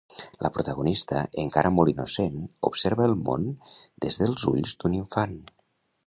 La protagonista, encara molt innocent, observa el món des dels ulls d’un infant.